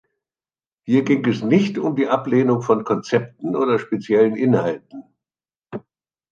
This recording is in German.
Hier ging es nicht um die Ablehnung von Konzepten oder speziellen Inhalten.